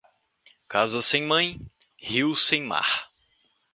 Casa sem mãe, rio sem mar.